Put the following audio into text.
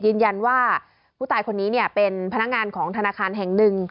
ยืนยันว่าผู้ตายคนนี้เนี่ยเป็นพนักงานของธนาคารแห่งหนึ่ง